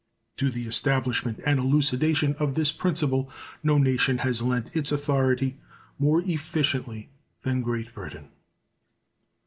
To the establishment and elucidation of this principle no nation has lent its authority more efficiently than Great Britain.